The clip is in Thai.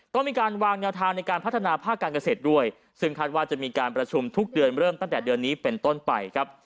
ต้องมีการวางแนวทางในการพัฒนาภาคการเกษตรด้วยซึ่งคาดว่าจะมีการประชุมทุกเดือนเริ่มตั้งแต่เดือนนี้เป็นต้นไปครับ